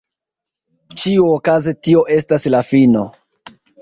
Ĉiuokaze tio estas la fino.